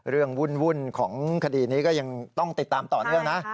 วุ่นของคดีนี้ก็ยังต้องติดตามต่อเนื่องนะ